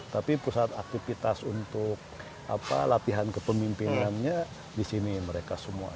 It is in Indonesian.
tapi pusat aktivitas untuk latihan kepemimpinannya di sini mereka semua